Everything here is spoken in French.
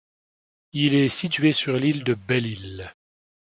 Il est situé sur l'île de Belle-Île.